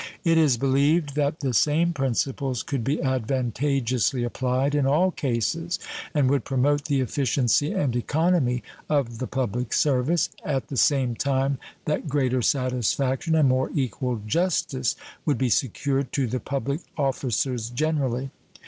It is believed that the same principles could be advantageously applied in all cases, and would promote the efficiency and economy of the public service, at the same time that greater satisfaction and more equal justice would be secured to the public officers generally.